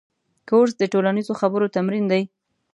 کورس د ټولنیزو خبرو تمرین دی.